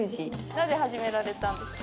なぜ始められたんですか？